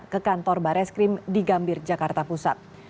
ke kantor bareskrim di gambir jakarta pusat